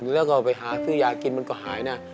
แล้วก็ไปหาซื้อยากินมันก็หายนะ